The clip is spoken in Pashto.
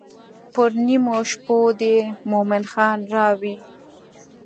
پر نیمو شپو دې مومن خان راوی.